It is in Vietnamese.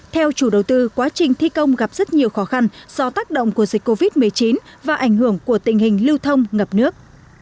theo chủ đầu tư quá trình thi công gặp rất nhiều khó khăn do tác động của dịch covid một mươi chín và ảnh hưởng của tình hình lưu thông ngập nước